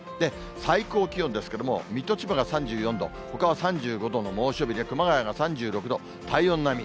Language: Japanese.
最高気温ですけれども、水戸、千葉が３４度、ほかは３５度の猛暑日で、熊谷が３６度、体温並み。